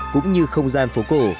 cũng như không gian phố cổ